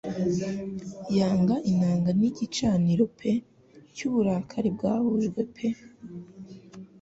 Yanga inanga nigicaniro pe cyuburakari bwahujwe pe